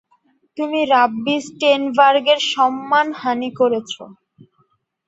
তুমি রাব্বি স্টেইনবার্গের সম্মানহানী করেছো।